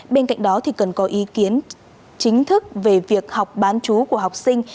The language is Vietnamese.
bên cạnh đó cần có ý kiến chính thức về việc học bán chú của học sinh